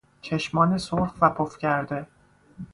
چشمان سرخ و پف کرده